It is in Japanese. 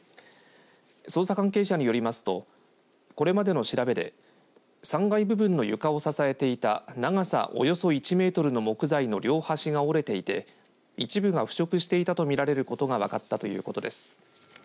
捜査関係者によりますとこれまでの調べで３階部分の床を支えていた長さおよそ１メートルの木材の両端が折れていて一部が腐食していたとみられることが分かったということです。